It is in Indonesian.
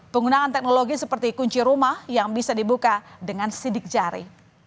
penggunaan teknologi seperti kunci rumah yang bisa dibuka dengan sidik jari